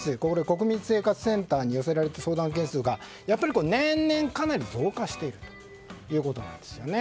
国民生活センターに寄せられた相談件数が年々、かなり増加しているというんですね。